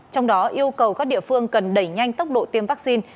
trong đó yêu cầu các địa phương cần đẩy nhanh tốc độ tiêm vaccine